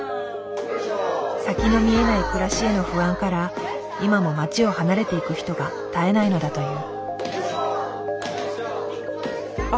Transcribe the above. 先の見えない暮らしへの不安から今も町を離れていく人が絶えないのだという。